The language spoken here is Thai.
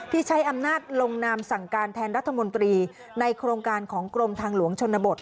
ที่ใช้อำนาจลงนามสั่งการแทนรัฐมนตรีในโครงการของกรมทางหลวงชนบท